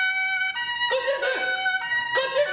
こっちです！